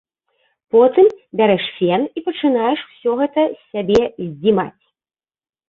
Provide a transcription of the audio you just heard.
Потым бярэш фен і пачынаеш усё гэта з сябе здзімаць.